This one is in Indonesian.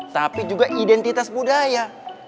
tapi juga identitas budaya